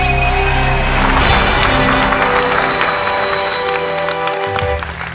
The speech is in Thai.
ไม่ใช่ค่ะ